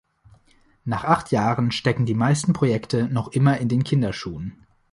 Nach acht Jahren stecken die meisten Projekte noch immer in den Kinderschuhen.